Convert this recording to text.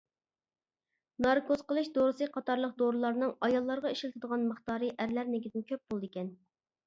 ناركوز قىلىش دورىسى قاتارلىق دورىلارنىڭ ئاياللارغا ئىشلىتىلىدىغان مىقدارى ئەرلەرنىڭكىدىن كۆپ بولىدىكەن.